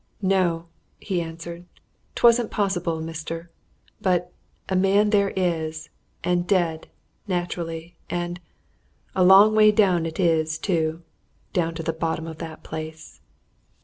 "No!" he answered. "'Twasn't possible, mister. But a man there is! And dead, naturally. And a long way it is, too, down to the bottom of that place!"